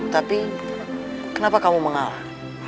tapi kenapa kamu mengalah